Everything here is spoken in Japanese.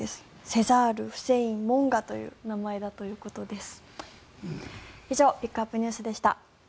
セザール、フセイン、モンガという名前だそうです。